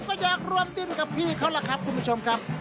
ก็อยากรวมติ้นกับพี่เขาล่ะครับคุณผู้ชมครับ